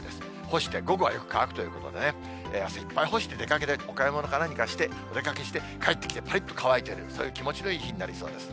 干して、午後はよく乾くということでね、朝いっぱい干して出かけて、お買い物か何かして、お出かけして、帰ってきてぱりっと乾いてる、そういう気持ちのいい日になりそうです。